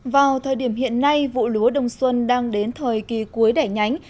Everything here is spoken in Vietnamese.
vào thời điểm hiện nay vụ lúa đồng xuân đang đến thời kỳ cuối đẻ nhánh